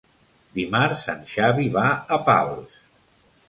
Dimarts en Xavi va a Pals.